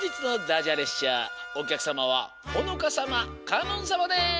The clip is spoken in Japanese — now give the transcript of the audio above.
列車おきゃくさまはほのかさまかのんさまです。